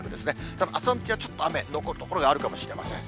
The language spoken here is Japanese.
ただ、朝のうちはちょっと雨、残る所があるかもしれません。